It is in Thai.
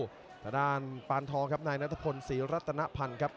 ทางด้านปานทองครับนายนัทพลศรีรัตนพันธ์ครับ